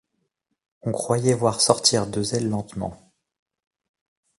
On croyait voir sortir deux ailes lentement ;